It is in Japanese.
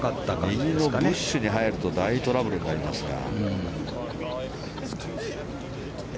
右のブッシュに入ると大トラブルになりますが。